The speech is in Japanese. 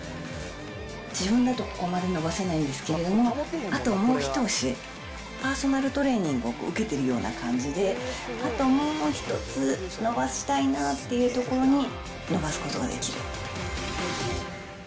自分だとここまで伸ばせないんですけど、あともう一押し、パーソナルトレーニングを受けてるような感じで、あともう一つ伸ばしたいなというところに伸ばすことができる。